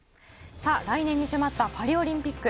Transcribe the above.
さぁ、来年に迫ったパリオリンピック。